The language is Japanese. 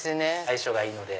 相性がいいので。